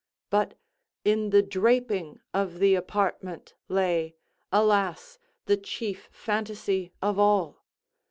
But in the draping of the apartment lay, alas! the chief phantasy of all.